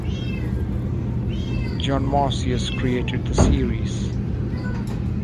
John Masius created the series.